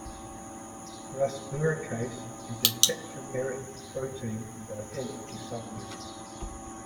Rasburicase is a tetrameric protein with identical subunits.